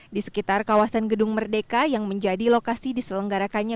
di sekitar kawasan gedung merdeka yang menjadi lokasi diselenggarakannya